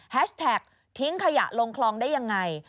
แท็กทิ้งขยะลงคลองได้ยังไง